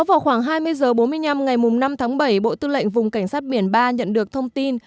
vào khoảng hai mươi h bốn mươi năm ngày năm tháng bảy bộ tư lệnh vùng cảnh sát biển ba nhận được thông tin